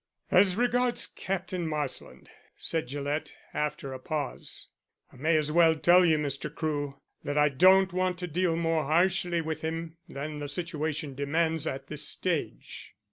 "As regards Captain Marsland," said Gillett after a pause, "I may as well tell you, Mr. Crewe, that I don't want to deal more harshly with him than the situation demands at this stage.